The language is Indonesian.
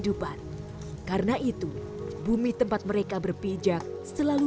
dia tersendiri di boti dengan budayanya unik sekali